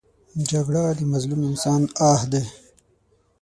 جګړه د مظلوم انسان آه دی